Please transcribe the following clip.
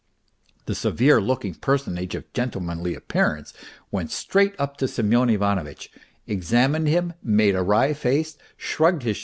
The severe looking personage of gentlemanly appearance went straight up to Semyon Ivanovitch, examined him, made a wry face, shrugged hig 284 MR.